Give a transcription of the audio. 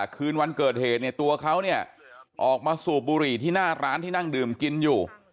คืนวันเกิดเหตุเนี่ยตัวเขาเนี่ยออกมาสูบบุหรี่ที่หน้าร้านที่นั่งดื่มกินอยู่